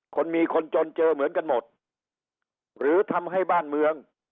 คนมีคนจนเจอเหมือนกันหมดหรือทำให้บ้านเมือง